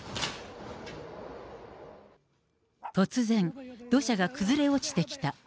突然、土砂が崩れ落ちてきた。